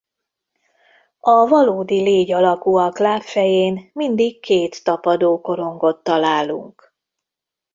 A valódilégy-alakúak lábfején mindig két tapadókorongot találunk.